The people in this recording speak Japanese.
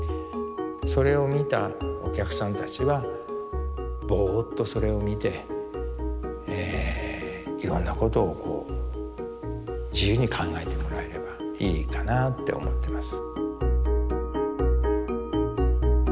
それを見たお客さんたちはぼっとそれを見てえいろんなことをこう自由に考えてもらえればいいかなって思ってます。